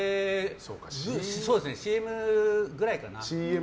ＣＭくらいかな。